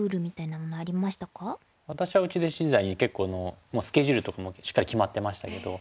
私は内弟子時代に結構スケジュールとかもしっかり決まってましたけど。